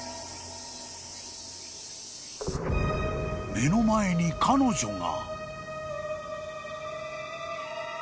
［目の前に彼女が］